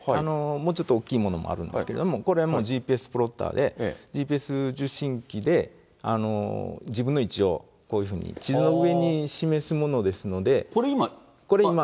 もうちょっと大きいものもあるんですけど、これ、ＧＰＳプロッターで、ＧＰＳ受信機で、自分の位置をこういうふうに地図の上に示すものですので。